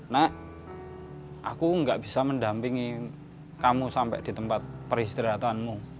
nak aku gak bisa mendampingi kamu sampai di tempat peristirahatanmu